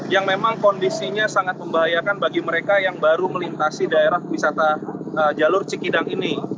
yang memang kondisinya sangat membahayakan bagi mereka yang baru melintasi daerah wisata jalur cikidang ini